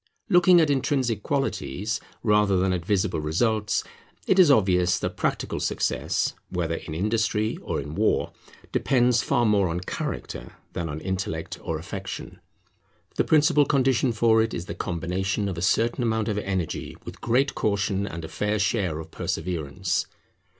Looking at intrinsic qualities rather than at visible results, it is obvious that practical success, whether in industry or in war, depends far more on character than on intellect or affection. The principal condition for it is the combination of a certain amount of energy with great caution, and a fair share of perseverance.